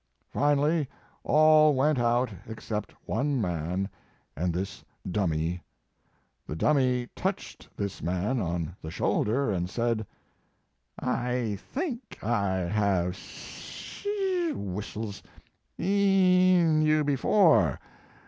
Finally all went out except one man and this dummy. The dummy touched this man on the shoulder and said: "I think I have s s s e His Life and Work. 159 een you before."